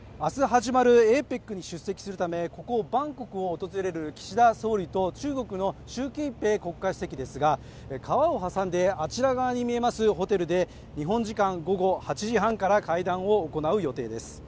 始まるＡＰＥＣに出席するためここバンコクを訪れる岸田総理と中国の習近平国家主席ですが川を挟んであちら側に見えますホテルで日本時間午後８時半から会談を行う予定です